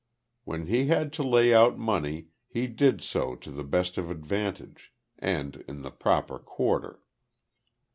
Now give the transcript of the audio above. When he had to lay out money he did so to the best of advantage, and in the proper quarter.